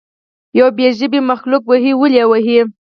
یو بې ژبې مخلوق وهئ ولې یې وهئ.